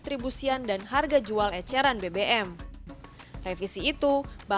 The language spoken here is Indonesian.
pemerintah yang mencari penyediaan pendidikan yang tidak terdaftar pada aplikasi mypertamina